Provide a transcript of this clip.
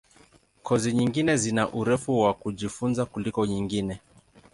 Kozi nyingine zina urefu wa kujifunza kuliko nyingine.